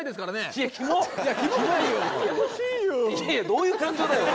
どういう感情だよ！